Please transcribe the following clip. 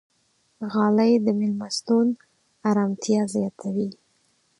غالۍ د میلمستون ارامتیا زیاتوي.